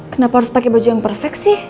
kenapa harus pakai baju yang perfect sih